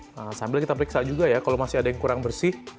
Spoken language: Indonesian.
nah sambil kita periksa juga ya kalau masih ada yang kurang bersih